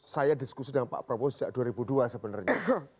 saya diskusi dengan pak prabowo sejak dua ribu dua sebenarnya